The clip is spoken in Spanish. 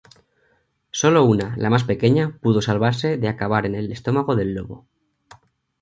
Solo una, la más pequeña, pudo salvarse de acabar en el estómago del lobo.